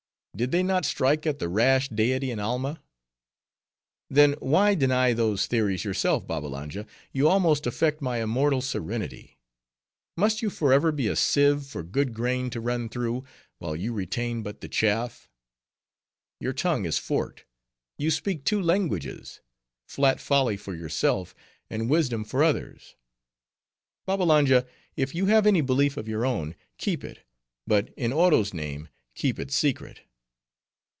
Did they not strike at the rash deity in Alma?" "Then, why deny those theories yourself? Babbalanja, you almost affect my immortal serenity. Must you forever be a sieve for good grain to run through, while you retain but the chaff? Your tongue is forked. You speak two languages: flat folly for yourself, and wisdom for others. Babbalanja, if you have any belief of your own, keep it; but, in Oro's name, keep it secret."